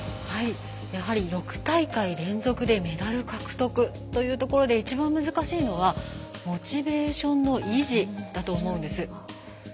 やはり、６大会連続でメダル獲得というところで一番、難しいのはモチベーションの維持だと思うんです。